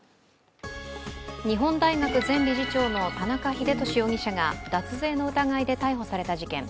日本大学前理事長の田中英寿容疑者が脱税の疑いで逮捕された事件。